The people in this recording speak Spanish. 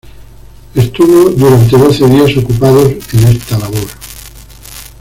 Estuvo durante doce días ocupado en esta labor.